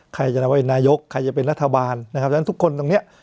ใครจะนับว่าเป็นนายกใครจะเป็นรัฐบาลนะครับฉะนั้นทุกคนตรงเนี้ย